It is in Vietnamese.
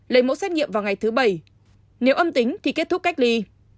lấy mẫu xét nghiệm vào ngày thứ bảy nếu âm tính thì kết thúc cách ly